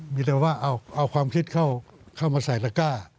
มีแต่ว่าเอาความคิดเข้ามาใส่ตระก้า